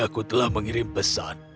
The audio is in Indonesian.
aku telah mengirim pesan